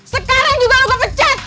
sekarang juga lo gue pecat